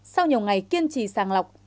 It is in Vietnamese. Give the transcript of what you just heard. sau nhiều ngày kiên trì sàng lọc